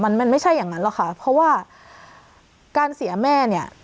มันมันไม่ใช่อย่างนั้นหรอกค่ะเพราะว่าการเสียแม่เนี่ย